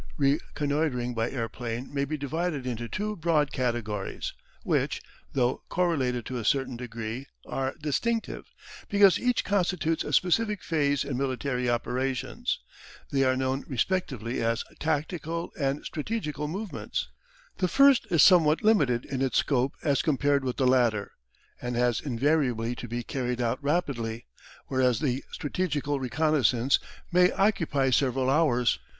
Reconnoitring by aeroplane may be divided into two broad categories, which, though correlated to a certain degree, are distinctive, because each constitutes a specific phase in military operations. They are known respectively as "tactical" and "strategical" movements. The first is somewhat limited in its scope as compared with the latter, and has invariably to be carried out rapidly, whereas the strategical reconnaissance may occupy several hours.